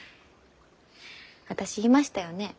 私言いましたよね？